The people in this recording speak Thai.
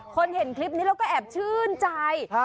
เห็นคลิปนี้แล้วก็แอบชื่นใจ